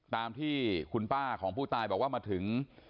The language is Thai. ตามที่คุณป้าของผู้ตายบอกว่ามาถึง